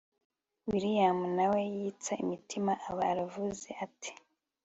william nawe yitsa imitima aba aravuze ati